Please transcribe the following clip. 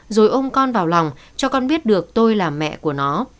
rồi ôm con vào lòng cho con biết được tôi là mẹ của nó